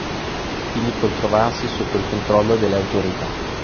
Finì col trovarsi sotto il controllo delle autorità.